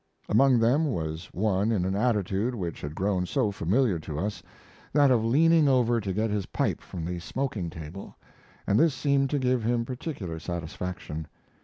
Among them was one in an attitude which had grown so familiar to us, that of leaning over to get his pipe from the smoking table, and this seemed to give him particular satisfaction.